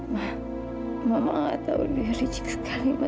ma mama gak tahu dia licik sekali ma